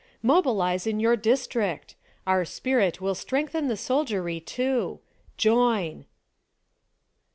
Mobilize in your district! Our spirit will strengthen the soldiery, too! Join